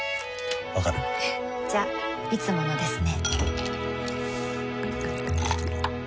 わかる？じゃいつものですね